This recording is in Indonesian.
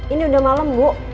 ini udah malam bu